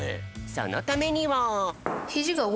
そのためには。